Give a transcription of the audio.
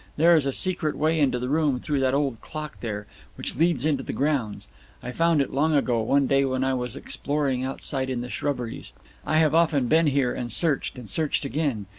There is a secret way into the room through that old clock there, which leads into the grounds; I found it long ago, one day when I was exploring outside in the shrubberies. I have often been here, and searched, and searched again.